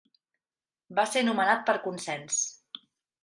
Va ser nomenat per consens.